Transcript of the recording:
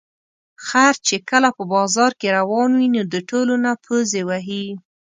خر چې کله په بازار کې روان وي، نو د ټولو نه پوزې وهي.